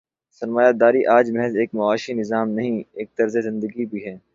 سرمایہ داری آج محض ایک معاشی نظام نہیں، ایک طرز زندگی بھی ہے۔